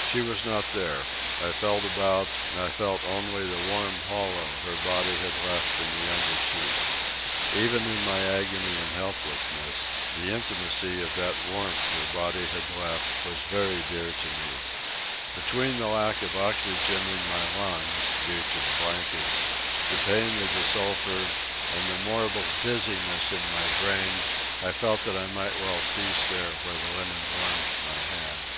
She was not there. I felt about, and I felt only the warm hollow her body had left in the under sheet. Even in my agony and helplessness the intimacy of that warmth her body had left was very dear to me. Between the lack of oxygen in my lungs (due to the blankets), the pain of the sulphur, and the mortal dizziness in my brain, I felt that I might well cease there where the linen warmed my hand.